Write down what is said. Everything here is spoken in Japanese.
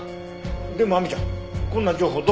でも亜美ちゃんこんな情報どこから？